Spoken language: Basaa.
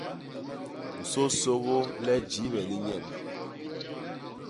Nsôsôgô le jiibe li nyemb.